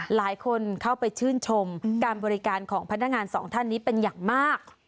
หลายคนเข้าไปชื่นชมการบริการของพนักงานสองท่านนี้เป็นอย่างมาก